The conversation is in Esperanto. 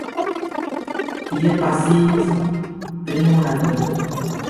Tie pasigis tri monatojn.